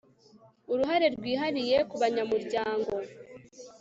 uruhare rwihariye kubanyamuryango